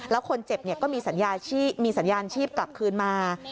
แล้วคนเจ็บก็มีสัญญาณชีพกลับคืนมา